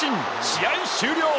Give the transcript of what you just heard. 試合終了。